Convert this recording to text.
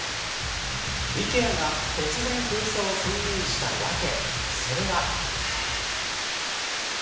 ＩＫＥＡが突然封鎖を宣言したわけそれは。